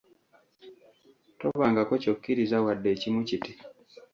Tobangako ky'okkiriza wadde ekimu kiti.